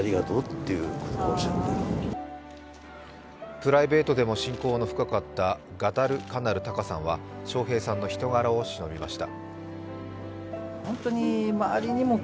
プライベートでも親交の深かったガダルカナル・タカさんは笑瓶さんの人柄をしのびました。